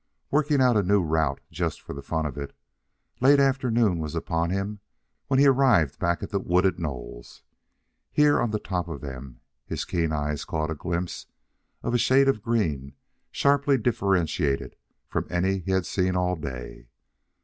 Working out a new route just for the fun of it, late afternoon was upon him when he arrived back at the wooded knolls. Here, on the top of one of them, his keen eyes caught a glimpse of a shade of green sharply differentiated from any he had seen all day.